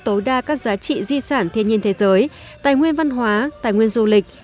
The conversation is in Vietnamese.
tối đa các giá trị di sản thiên nhiên thế giới tài nguyên văn hóa tài nguyên du lịch